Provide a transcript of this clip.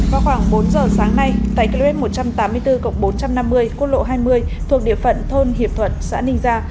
vào khoảng bốn giờ sáng nay tại km một trăm tám mươi bốn bốn trăm năm mươi quốc lộ hai mươi thuộc địa phận thôn hiệp thuận xã ninh gia